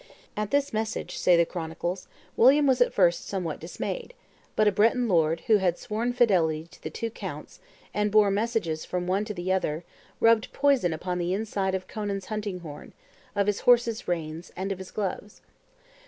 "At this message," say the chronicles, "William was at first somewhat dismayed; but a Breton lord, who had sworn fidelity to the two counts, and bore messages from one to the other, rubbed poison upon the inside of Conan's hunting horn, of his horse's reins, and of his gloves.